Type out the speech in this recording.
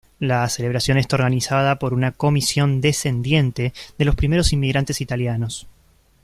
La celebración está organizada por una Comisión descendiente de los primeros inmigrantes italianos.